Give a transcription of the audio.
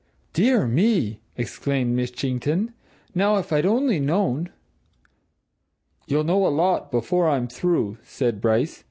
"Dear me!" exclaimed Mitchington. "Now, if I'd only known " "You'll know a lot before I'm through," said Bryce.